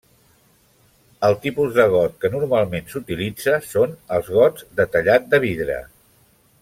El tipus de got que normalment s'utilitza són els gots de tallat de vidre.